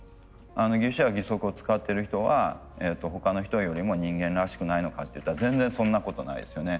義手や義足を使っている人は他の人よりも人間らしくないのかっていったら全然そんなことないですよね。